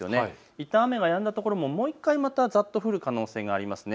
いったん雨がやんだ所ももう１回またざっと降る可能性がありますね。